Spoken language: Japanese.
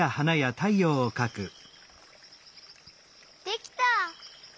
できた！